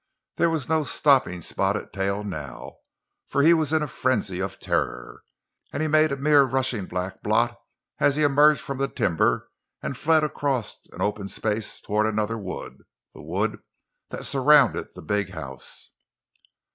There was no stopping Spotted Tail now, for he was in a frenzy of terror—and he made a mere rushing black blot as he emerged from the timber and fled across an open space toward another wood—the wood that surrounded the big house.